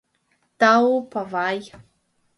— Тау, павай...